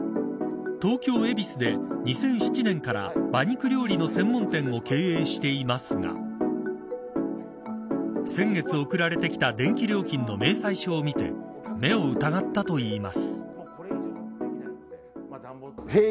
東京、恵比寿で２００７年から馬肉料理の専門店を経営していますが先月、送られてきた電気料金の明細書を見て目を疑ったといいます。